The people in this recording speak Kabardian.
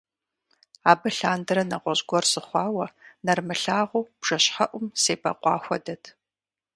Абы лъандэрэ нэгъуэщӀ гуэр сыхъуауэ, нэрымылъагъу бжэщхьэӀум себэкъуа хуэдэт.